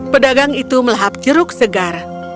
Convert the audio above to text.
pedagang itu melahap jeruk segar